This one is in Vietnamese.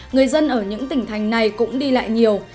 người dân ở những tỉnh thành này cũng đi lại nhiều